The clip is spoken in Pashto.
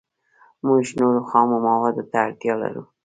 موږ نورو خامو موادو ته اړتیا لرو